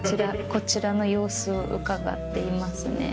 こちらの様子をうかがっていますね。